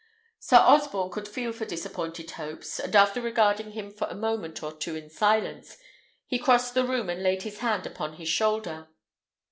Sir Osborne could feel for disappointed hopes, and after regarding him for a moment or two in silence, he crossed the room and laid his hand upon his shoulder.